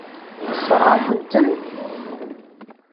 Tessṛeɣ-akent-ten.